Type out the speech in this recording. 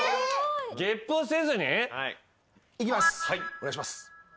お願いします。